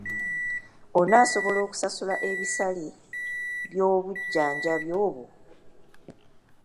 Onaasobola okusasula ebisale by'obujjanjabi obwo?